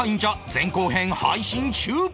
前後編配信中！